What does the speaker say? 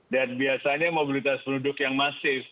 dan biasanya mobilitas penduduk yang masif